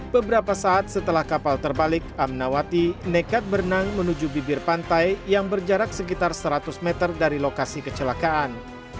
beberapa saat setelah kapal terbalik amnawati nekat berenang menuju bibir pantai yang berjarak sekitar seratus meter dari lokasi kecelakaan